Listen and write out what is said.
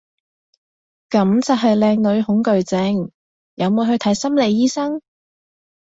噉就係靚女恐懼症，有冇去睇心理醫生？